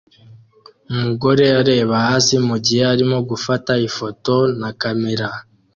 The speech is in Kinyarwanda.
Umugore areba hasi mugihe arimo gufata ifoto na kamera